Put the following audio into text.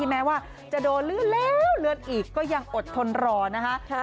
แม้ว่าจะโดนลืดเล่า๋เลือดอีกก็ยังอดทนรอนะคะ